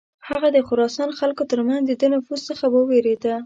هغه د خراسان خلکو تر منځ د ده نفوذ څخه ویرېده.